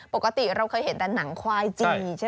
ปกติเราเคยเห็นแต่หนังควายจี่ใช่ไหม